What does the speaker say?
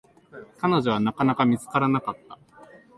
彼女は、なかなか見つからなかった。